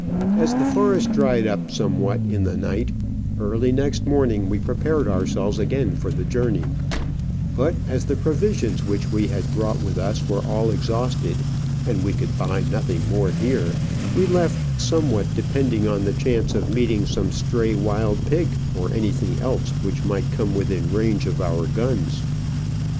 As the forest dried up somewhat in the night, early next morning we prepared ourselves again for the journey ; but as the provisions which we had brought with us were all exhausted and we could buy nothing more here, we left somewhat depending on the chance of meeting some stray wild pig or any thing else which might come within range of our guns.